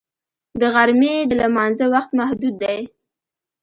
د غرمې د لمانځه وخت محدود دی